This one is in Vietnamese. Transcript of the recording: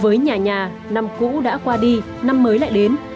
với nhà nhà năm cũ đã qua đi năm mới lại đến